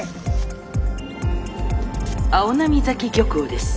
青波崎漁港です。